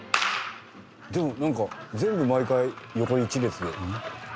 でもなんか全部毎回横一列だよね。